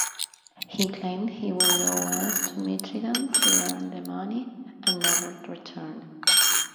He claimed he would go west to Michigan to earn the money...and never returned.